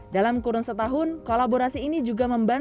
dalam kurun setahun kolaborasi ini juga membantu